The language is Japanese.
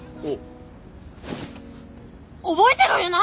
覚えてろよな！